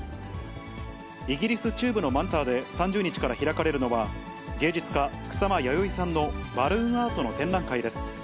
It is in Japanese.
イギリス中部のマンチェスターで３０日から開かれるのは、芸術家、草間彌生さんのバルーンアートの展覧会です。